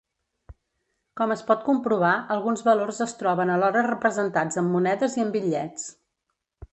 Com es pot comprovar, alguns valors es troben alhora representats en monedes i en bitllets.